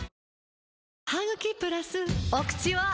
お口は！